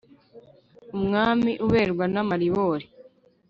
umwami uberwa n' amaribori